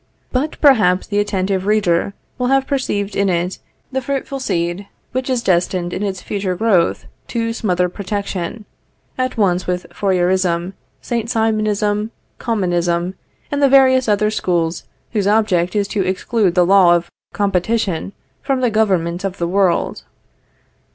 But perhaps the attentive reader will have perceived in it the fruitful seed which is destined in its future growth to smother Protection, at once with Fourierism, Saint Simonism, Commonism, and the various other schools whose object is to exclude the law of COMPETITION from the government of the world.